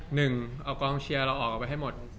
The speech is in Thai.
หนึ่งเอากองเชียร์เราออกเอาไว้ให้หมด